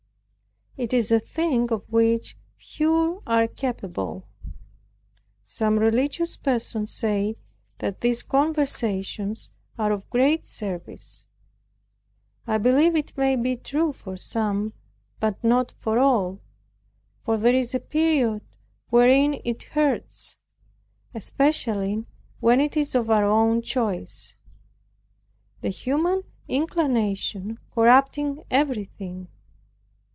It is a thing of which few are capable. Some religious persons say that these conversations are of great service. I believe it may be true for some, but not for all; for there is a period wherein it hurts, especially when it is of our own choice; the human inclination corrupting everything.